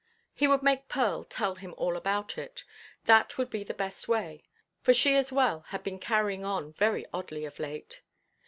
He would make Pearl tell him all about it, that would be the best way; for she as well had been carrying on very oddly of late.